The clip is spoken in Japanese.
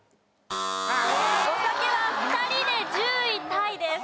お酒は２人で１０位タイです。